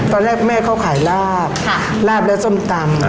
ตอนแรกแม่เขาขายลาบลาบและส้มตำ